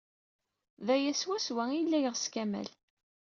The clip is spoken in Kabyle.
D aya swaswa ay yella yeɣs Kamal.